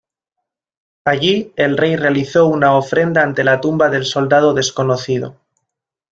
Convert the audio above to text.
Allí, el rey realizó una ofrenda ante la tumba del soldado desconocido.